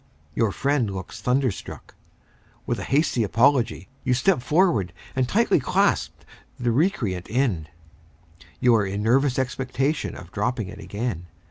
Your friend looks thunderstruck. With a hasty apology, you step forward and tightly clasp the recreant end. You are in nervous expectation of dropping it again.